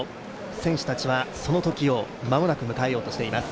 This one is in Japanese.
選手たちはそのときを間もなく迎えようとしています。